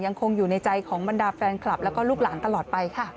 ยังคงอยู่ในใจของบรรดาแฟนคลับแล้วก็ลูกหลานตลอดไปค่ะ